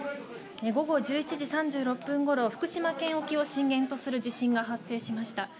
午後１１時３６分ごろ福島県沖を震源とする地震が発生しました。